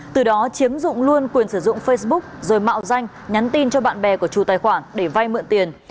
từ đó chiếm dụng luôn quyền sử dụng facebook rồi mạo danh nhắn tin cho bạn bè của chủ tài khoản để vay mượn tiền